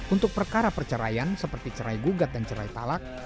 untuk perkara perceraian seperti cerai gugat dan cerai talak